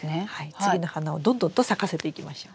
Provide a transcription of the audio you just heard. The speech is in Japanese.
次の花をどんどんと咲かせていきましょう。